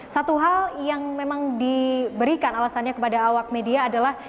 satu hal yang memang diberikan alasannya kepada awak media adalah